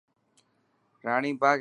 راڻي باگھه حيدرآباد ۾ هي.